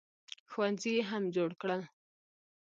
ښوونځي یې هم جوړ کړل.